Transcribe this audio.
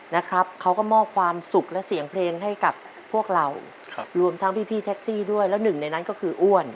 นะครับเขาก็มอบความสุขและเสียงเพลงให้กับพวกเราครับรวมทั้งพี่แท็กซี่ด้วยแล้วหนึ่งในนั้นก็คืออ้วน